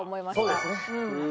そうですね。